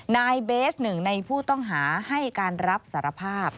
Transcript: นายเบสหนึ่งในผู้ต้องหาให้การรับสารภาพ